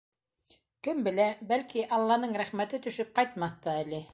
Кем белә, бәлки, алланың рәхмәте төшөп, ҡайтмаҫ та әле.